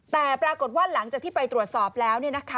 แต่ปรากฏว่าหลังจากที่ไปตรวจสอบแล้ว